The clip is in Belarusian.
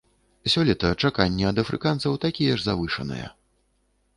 Сёлета чаканні ад афрыканцаў такія ж завышаныя.